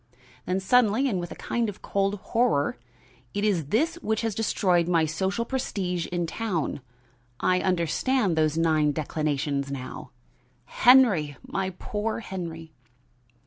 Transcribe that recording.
Then suddenly and with a kind of cold horror: "It is this which has destroyed my social prestige in town. I understand those nine declinations now. Henry! my poor Henry!"